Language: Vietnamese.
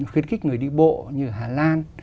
khiến khích người đi bộ như hà lan